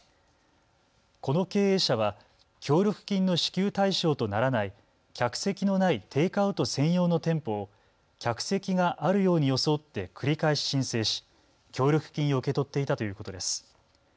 この経営者は協力金の支給対象とならない客席のないテイクアウト専用の店舗を客席があるように装って繰り返し申請し協力金を受け取っていたということです。